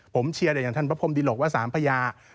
ผมเชียร์อย่างท่านประพรมดิโรคว่าสามพระยา